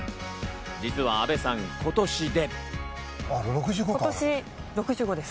実は阿部さん、今年で。